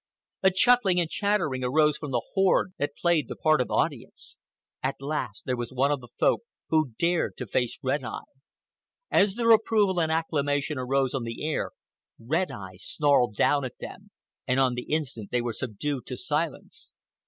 A chuckling and chattering arose from the horde, that played the part of audience. At last there was one of the Folk who dared to face Red Eye. As their approval and acclamation arose on the air, Red Eye snarled down at them, and on the instant they were subdued to silence.